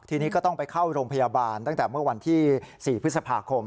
ทีนี้ก็ต้องไปเข้าโรงพยาบาลตั้งแต่เมื่อวันที่๔พฤษภาคม